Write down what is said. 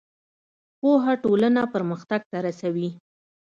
پوهه ټولنه پرمختګ ته رسوي.